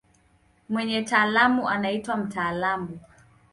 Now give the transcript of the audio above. Mwenye taaluma anaitwa mtaalamu.